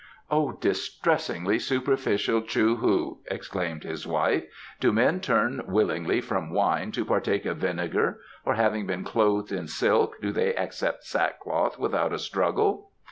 "O distressingly superficial Chou hu!" exclaimed his wife, "do men turn willingly from wine to partake of vinegar, or having been clothed in silk do they accept sackcloth without a struggle?